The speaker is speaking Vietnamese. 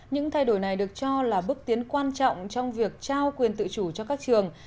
những thay đổi này được cho là bước tiến quan trọng trong việc trao quyền tự chủ cho các trường